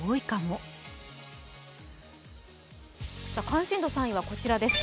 関心度３位はこちらです。